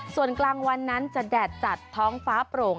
ส่วนกลางวันนั้นจะแดดจัดท้องฟ้าโปร่ง